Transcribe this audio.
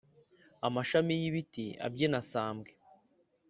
Amashami y'ibiti abyina sambwe